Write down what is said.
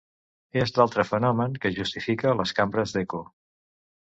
És l’altre fenomen que justifica les cambres d’eco.